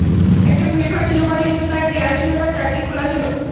একটা কুঁড়েঘর ছিল বটে, কিন্তু তার দেয়াল ছিল না, চারদিক খোলা ছিল।